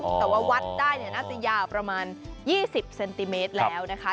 เพราะว่าวัดได้น่าจะยาวประมาณ๒๐เซนติเมตรแล้วนะคะ